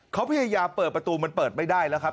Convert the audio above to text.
เขาพยายามเปิดประตูมันเปิดไม่ได้แล้วครับ